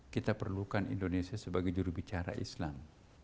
kita perlukan indonesia sebagai jurubicara islam